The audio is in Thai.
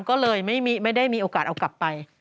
ก็เลยไม่ได้มีโอกาสเอากลับไป